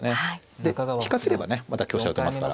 で引かせればねまた香車を打てますから。